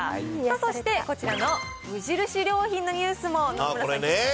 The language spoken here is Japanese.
そしてこちらの無印良品のニュースも、野々村さん。